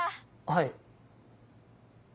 はい。